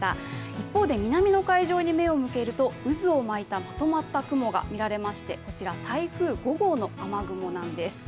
一方で、南の海上に目を向けると渦を巻いたまとまった雲が見られまして、こちら台風５号の雨雲なんです。